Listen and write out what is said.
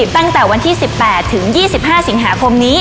ตั้งแต่วันที่๑๘ถึง๒๕สิงหาคมนี้